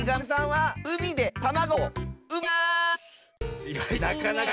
はい！